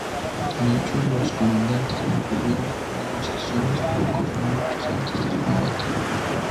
De hecho los comandantes mantuvieron negociaciones pocos minutos antes del combate.